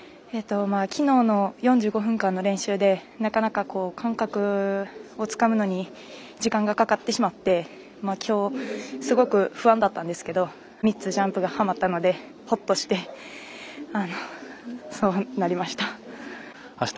きのうの４５分間の練習でなかなか感覚をつかむのに時間がかかってしまってきょう、すごく不安だったんですけど３つジャンプがはまったのでほっとして、そうなりました。